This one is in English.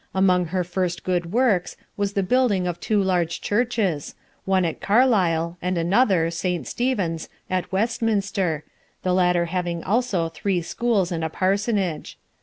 Among her first good works was the building of two large churches, one at Carlisle, and another, St. Stephen's, at Westminster, the latter having also three schools and a parsonage.